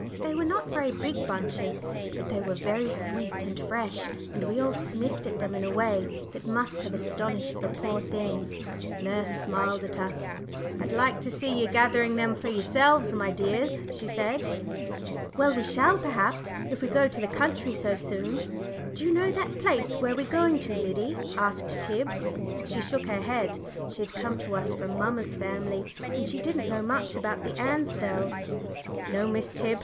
They were not very big bunches, but they were very sweet and fresh, and we all sniffed at them in a way that must have astonished the poor things. Nurse smiled at us. "I'd like to see you gathering them for yourselves, my dears," she said. "Well, we shall, perhaps, if we go to the country so soon. Do you know that place where we're going to, Liddy?" asked Tib. She shook her head she had come to us from mamma's family, and she didn't know much about the Ansdells. "No, Miss Tib.